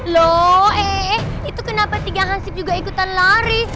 loh ee itu kenapa tiga hansip juga ikutan lari